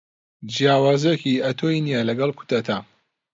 جیاوازیەکی ئەتۆی نییە لەگەل کودەتا.